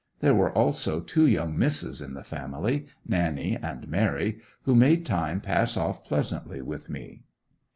There were also two young Misses in the family, Nannie and Mary, who made time pass off pleasantly with me.